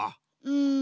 うん。